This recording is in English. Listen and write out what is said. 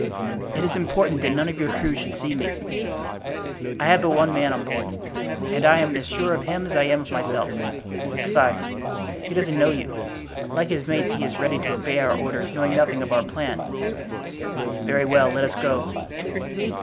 "It is important that none of your crew should see me." "I have but one man on board, and I am as sure of him as I am of myself. Besides, he doesn't know you; like his mates he is ready to obey our orders knowing nothing of our plan." "Very well; let us go."